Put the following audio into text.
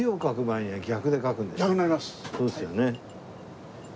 そうですよね。